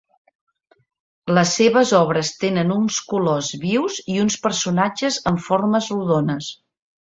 Les seves obres tenen uns colors vius i uns personatges amb formes rodones.